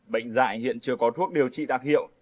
bệnh dạy hiện chưa có thuốc điều trị đặc hiệu